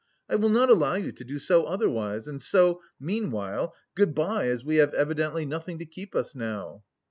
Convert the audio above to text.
I will not allow you to do so otherwise, and so meanwhile, good bye, as we have evidently nothing to keep us now."